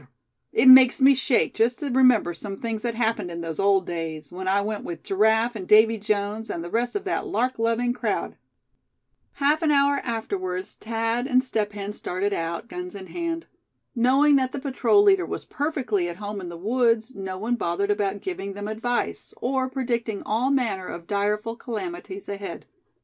B r r! It makes me shake, just to remember some things that happened in those old days, when I went with Giraffe, and Davy Jones, and the rest of that lark loving crowd." Half an hour afterwards Thad and Step Hen started out, guns in hand. Knowing that the patrol leader was perfectly at home in the woods, no one bothered about giving them advice; or predicting all manner of direful calamities ahead.